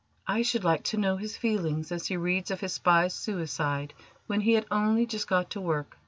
I should like to know his feelings as he reads of his spy's suicide when he had only just got to work."